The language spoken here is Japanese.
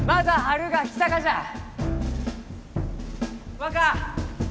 若！